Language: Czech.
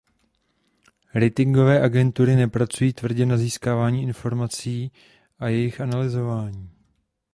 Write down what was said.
Ratingové agentury nepracují tvrdě na získávání informací a jejich analyzování.